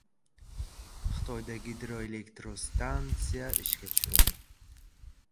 Xitoyda gidroelektrostansiya ishga tushirildi